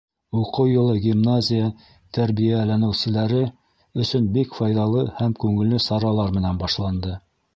Уҡыу йылы гимназия тәрбиәләнеүселәре өсөн бик файҙалы һәм күңелле саралар менән башланды.